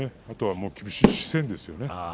あとは厳しい視線ですよね。